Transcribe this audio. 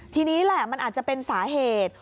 ทีนี้แหละมันอาจจะเป็นสาเหตุ